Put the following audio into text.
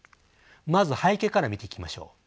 まず背景から見ていきましょう。